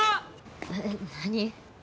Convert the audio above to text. えっ何？